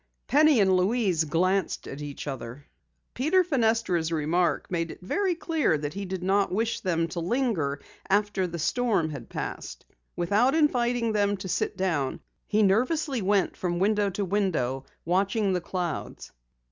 Penny and Louise glanced at each other. Peter Fenestra's remark made it very clear that he did not wish them to linger after the storm had passed. Without inviting them to sit down, he nervously went from window to window, watching the clouds.